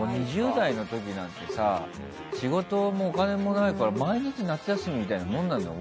２０代の時なんてさ仕事もお金もないから毎日夏休みみたいなもんなんだよ